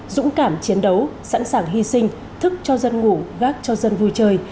dũng cảm chiến đấu sẵn sàng hy sinh thức cho dân ngủ gác cho dân vui chơi